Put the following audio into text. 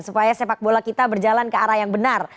supaya sepak bola kita berjalan ke arah yang benar